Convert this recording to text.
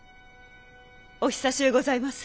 お久しゅうございます。